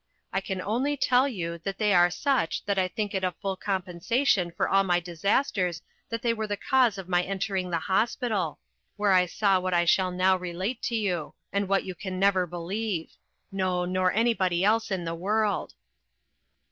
I can only tell you that they are such that I think it a full compensation for all my disasters that they were the cause of my entering the hospital, where I saw what I shall now relate to you; and what you can never believe; no; nor anybody else in the world.